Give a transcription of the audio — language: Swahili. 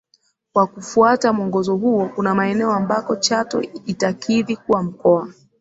Kwa kufuata mwongozo huo kuna maeneo ambako Chato itakidhi kuwa mkoa